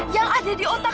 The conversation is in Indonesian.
yang ada di otakmu